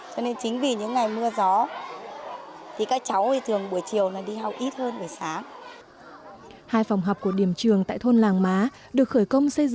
cho nên chính vì những ngày mưa gió thì các cháu thường buổi chiều đi học ít hơn buổi sáng